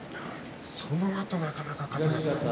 そのあとなかなか勝てません。